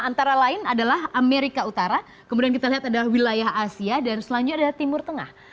antara lain adalah amerika utara kemudian kita lihat ada wilayah asia dan selanjutnya ada timur tengah